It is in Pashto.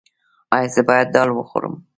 ایا زه باید دال وخورم؟